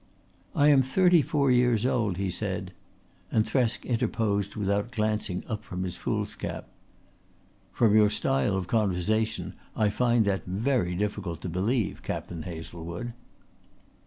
"I am thirty four years old," he said, and Thresk interposed without glancing up from his foolscap: "From your style of conversation I find that very difficult to believe, Captain Hazlewood."